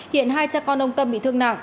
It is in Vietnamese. hiện hai cha con ông tâm bị thương nặng